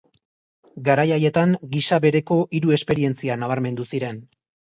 Garai haietan gisa bereko hiru esperientzia nabarmendu ziren.